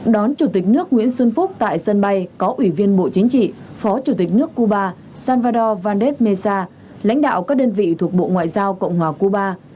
đón chủ tịch nước nguyễn xuân phúc tại sân bay có ủy viên bộ chính trị phó chủ tịch nước cuba salvador valdes mesa lãnh đạo các đơn vị thuộc bộ ngoại giao cộng hòa cuba